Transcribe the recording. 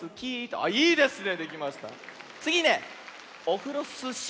ああいいですね。